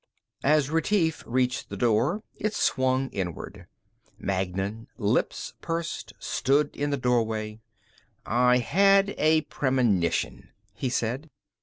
As Retief reached the door, it swung inward. Magnan, lips pursed, stood in the doorway. "I had a premonition," he said.